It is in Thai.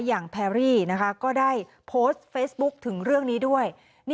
แพรรี่ก็ได้โพสต์เฟซบุ๊คถึงเรื่องนี้ด้วย